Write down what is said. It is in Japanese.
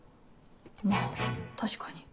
まぁ確かに。